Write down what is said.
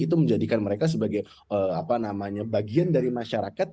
itu menjadikan mereka sebagai bagian dari masyarakat